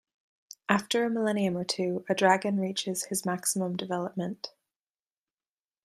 After a millennium or two, a dragon reaches his maximum development.